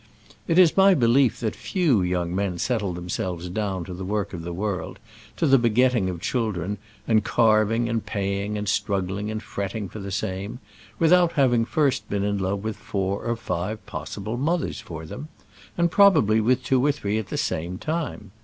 It is my belief that few young men settle themselves down to the work of the world, to the begetting of children, and carving and paying and struggling and fretting for the same, without having first been in love with four or five possible mothers for them, and probably with two or three at the same time.